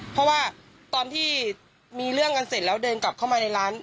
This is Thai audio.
เพราะว่าตอนที่มีเรื่องกันเสร็จแล้วเดินกลับเข้ามาในร้าน